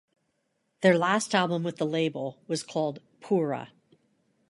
Their last album with the label was called "Pura".